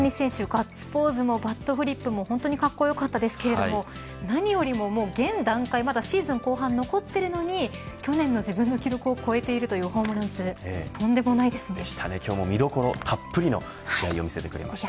ガッツポーズもバットフリップも本当にかっこよかったですけれども何よりも現段階、シーズン後半が残っているのに去年の自分の記録を超えているというホームラン数今日も見どころたっぷりの試合を見せてくれました。